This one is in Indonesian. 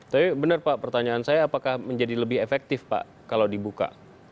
tapi benar pak pertanyaan saya apakah menjadi lebih efektif pak kalau dibuka